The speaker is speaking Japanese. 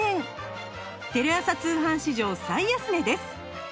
テレ朝通販史上最安値です！